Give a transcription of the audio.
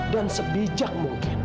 dan sebijak mungkin